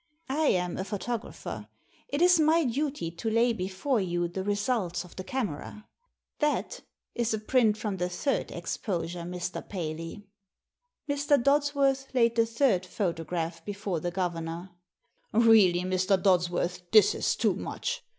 I am a photographer. It is my duty to lay before you the results of the camera. That is a print from the third exposure, Mr. Paley." Mr. Dodsworth laid the third photograph before the governor. "Really, Mr. Dodsworth, this is too much!